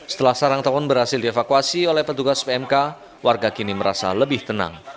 setelah sarang tawon berhasil dievakuasi oleh petugas pmk warga kini merasa lebih tenang